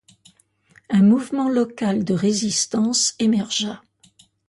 Un mouvement local de résistance émergea.